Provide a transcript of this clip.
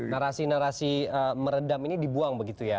narasi narasi meredam ini dibuang begitu ya